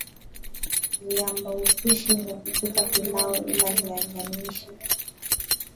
Viambaupishi vya kupikia pilau lla viazi lishe